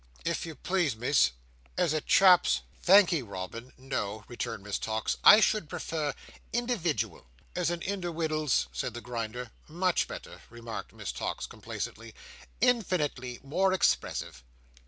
"If you please, Miss, as a chap's—" "Thankee, Robin, no," returned Miss Tox, "I should prefer individual." "As a indiwiddle's—," said the Grinder. "Much better," remarked Miss Tox, complacently; "infinitely more expressive!"